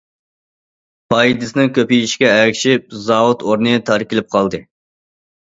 پايدىسىنىڭ كۆپىيىشىگە ئەگىشىپ زاۋۇت ئورنى تار كېلىپ قالدى.